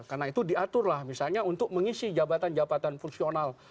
karena itu diaturlah misalnya untuk mengisi jabatan jabatan fungsional